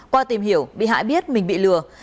qua tìm hiểu bị hại biết mình bị lừa